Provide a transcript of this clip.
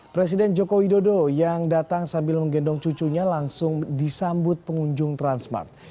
presiden joko widodo yang datang sambil menggendong cucunya langsung disambut pengunjung transmart